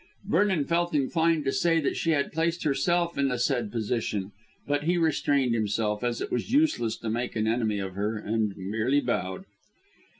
Vernon felt inclined to say that she had placed herself in the said position, but he restrained himself, as it was useless to make an enemy of her, and merely bowed.